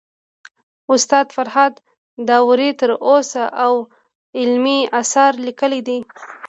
استاد فرهاد داوري تر اوسه اوه علمي اثار ليکلي دي